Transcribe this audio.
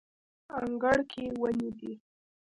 انګړ کې ونې دي